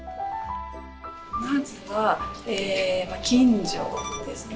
まずは近所ですね。